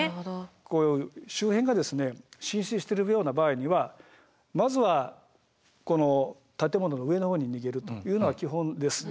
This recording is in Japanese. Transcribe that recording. こう周辺が浸水してるような場合にはまずはこの建物の上のほうに逃げるというのが基本です。